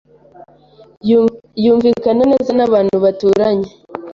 Yumvikana neza nabantu baturanye.